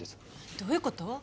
どういうこと？